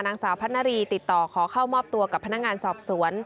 นางสาวพัฒนารีติดต่อขอเข้ามอบตัวกับพนักงานสอบสวน